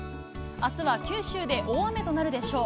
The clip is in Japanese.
あすは九州で大雨となるでしょう。